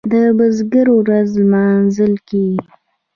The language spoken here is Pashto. د بزګر ورځ لمانځل کیږي.